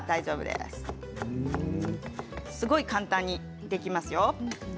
すごい簡単にできますよ。